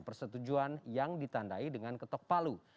persetujuan yang ditandai dengan ketok palu